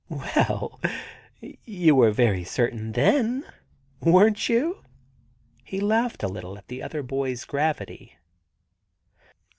* Well, you were very certain then, weren't you ?' He laughed a little at the other boy's gravity.